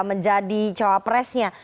menjadi cowok presnya